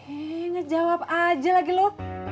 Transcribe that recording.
eh ngejawab aja lagi lo